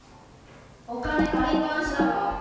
お金借りっ放しだろ。